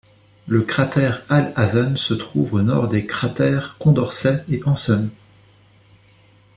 Le cratère Alhazen se trouve au nord des cratères Condorcet et Hansen.